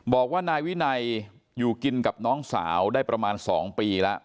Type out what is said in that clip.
บอกว่านายวินัยอยู่กินกับน้องสาวได้ประมาณ๒ปีแล้ว